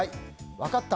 分かった。